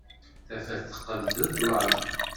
Tafat teqqel d ṭṭlam.